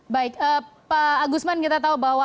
baik pak agusman kita tahu bahwa